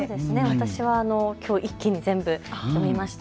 私はきょう一気に全部読みました。